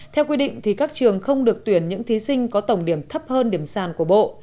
theo quy định thì các trường không được tuyển những thí sinh có tổng điểm thấp hơn điểm sàn của bộ